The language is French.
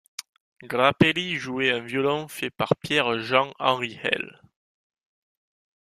Grappelli jouait un violon fait par Pierre Jean Henri Hel.